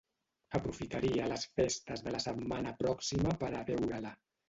Aprofitaria les festes de la setmana pròxima per a veure-la.